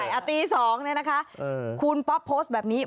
ตี๒เนี่ยนะคะคุณป๊อปโพสต์แบบนี้